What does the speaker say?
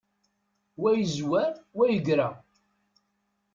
Wa yezwar, wa yegra.